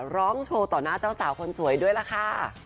ร้องโชว์ต่อหน้าเจ้าสาวคนสวยด้วยล่ะค่ะ